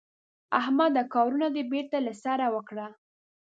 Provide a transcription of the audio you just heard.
احمده کارونه دې بېرته له سره وکړه.